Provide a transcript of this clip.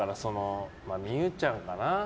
望結ちゃんかな。